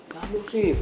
nggak nur sif